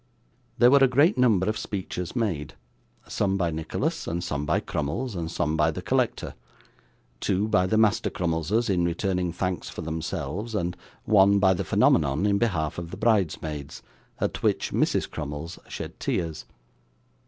There were a great number of speeches made; some by Nicholas, and some by Crummles, and some by the collector; two by the Master Crummleses in returning thanks for themselves, and one by the phenomenon on behalf of the bridesmaids, at which Mrs. Crummles shed tears.